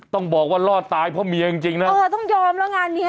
ต้องบอกว่ารอดตายเพราะเมียจริงจริงนะเออต้องยอมแล้วงานเนี้ย